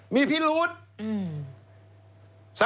มีพิรุษ